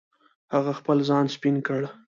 هغه خپل ځان سپین کړ.